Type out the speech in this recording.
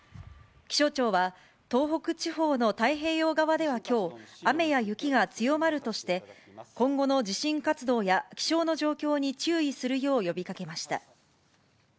気象庁は、東北地方の太平洋側ではきょう、雨や雪が強まるとして、今後の地震活動や、気象の状況に注意するよう呼びかけました。